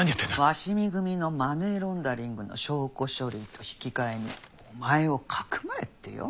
鷲見組のマネーロンダリングの証拠書類と引き換えにお前をかくまえってよ。